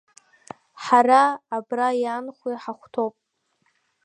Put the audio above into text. Ҳара, абра иаанхо иҳахәҭоуп…